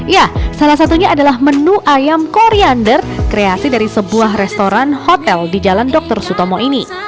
ya salah satunya adalah menu ayam koriander kreasi dari sebuah restoran hotel di jalan dr sutomo ini